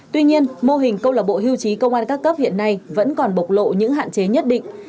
tuy nhiên mô hình câu lạc bộ hưu trí công an các cấp hiện nay vẫn còn bộc lộ những hạn chế nhất định